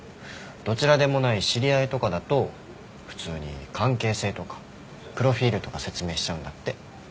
どちらでもない知り合いとかだと普通に関係性とかプロフィールとか説明しちゃうんだって。